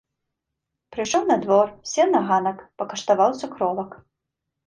Прыйшоў на двор, сеў на ганак, пакаштаваў цукровак.